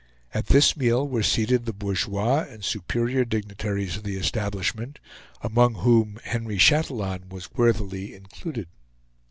At this meal were seated the bourgeois and superior dignitaries of the establishment, among whom Henry Chatillon was worthily included.